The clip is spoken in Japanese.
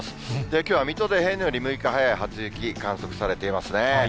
きょうは水戸で平年より６日早い初雪、観測されていますね。